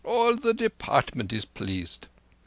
All the Department is pleased."